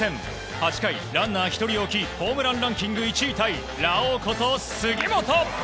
８回ランナー１人置きホームランランキング１位ラオウこと杉本。